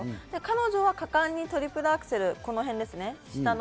彼女は果敢にトリプルアクセル、このへんですね。